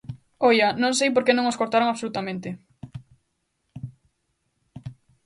Oia, non sei por que non os cortaron absolutamente.